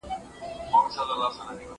زه به سبا د کتابتوننۍ سره مرسته وکړم!